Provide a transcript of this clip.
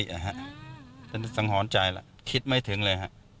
ฉันจะสังหรณ์ใจแล้วคิดไม่ถึงเลย